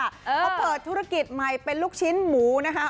เขาเปิดธุรกิจใหม่เป็นลูกชิ้นหมูนะคะ